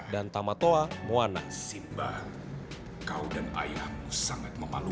dan tamatoa moana